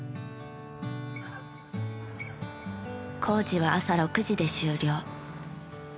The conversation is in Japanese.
工事は朝６時で終了。